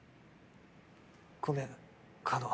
ごめん叶